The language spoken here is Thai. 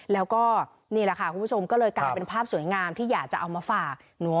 แล้วก็นี่แหละค่ะคุณผู้ชมก็เลยกลายเป็นภาพสวยงามที่อยากจะเอามาฝาก